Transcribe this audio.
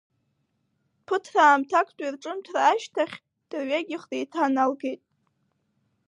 Ԥыҭраамҭактәи рҿымҭра ашьҭахь дырҩегьых деиҭаналгеит…